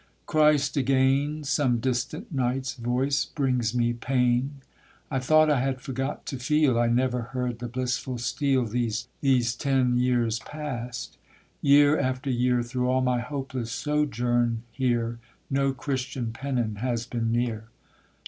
Christ! again, Some distant knight's voice brings me pain, I thought I had forgot to feel, I never heard the blissful steel These ten years past; year after year, Through all my hopeless sojourn here, No Christian pennon has been near.